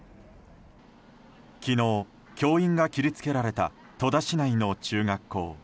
昨日、教員が切り付けられた戸田市内の中学校。